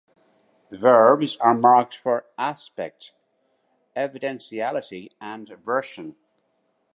Verbs are marked for aspect, evidentiality and "version".